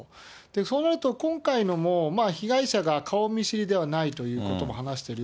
そうなると今回のも、被害者が顔見知りではないということも話してる。